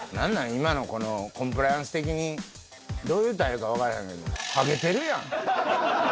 今のこのコンプライアンス的に、どういうたらいいか分からんけど、はげてるやん！